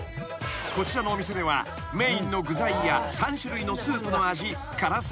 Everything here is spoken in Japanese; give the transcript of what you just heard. ［こちらのお店ではメインの具材や３種類のスープの味辛さ